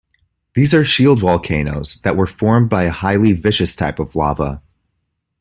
These are shield volcanoes that were formed by a highly viscous type of lava.